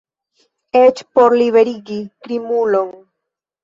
Eĉ por liberigi krimulon!